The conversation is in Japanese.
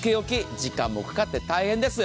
時間もかかって大変です。